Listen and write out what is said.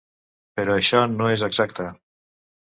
Però això no és exacte.